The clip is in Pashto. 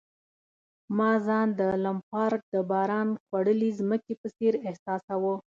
ما ځان د لمپارډ د باران خوړلي مځکې په څېر احساساوه.